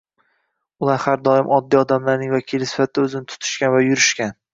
Ular har doim oddiy odamlarning vakili sifatida o'zini tutishgan va yurishgan